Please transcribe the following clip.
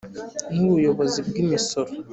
n Ubuyobozi bw Imisoro